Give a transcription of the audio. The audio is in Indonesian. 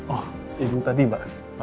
oh ibu tadi pak